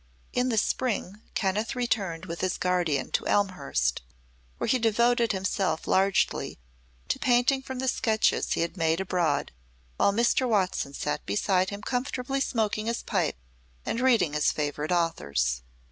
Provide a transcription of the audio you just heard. In the spring Kenneth returned with his guardian to Elmhurst, where he devoted himself largely to painting from the sketches he had made abroad, while Mr. Watson sat beside him comfortably smoking his pipe and reading his favorite authors.